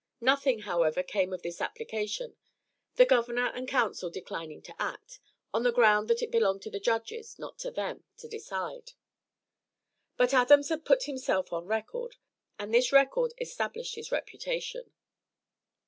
Nothing, however, came of this application; the Governor and Council declining to act, on the ground that it belonged to the Judges, not to them, to decide. But Adams had put himself on record, and this record established his reputation.